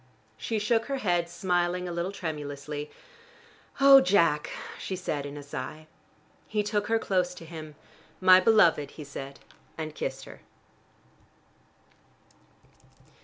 She shook her head, smiling a little tremulously. "Oh, Jack," she said in a sigh. He took her close to him. "My beloved," he said, and kissed her.